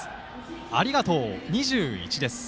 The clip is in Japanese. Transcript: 「ありがとう２１」です。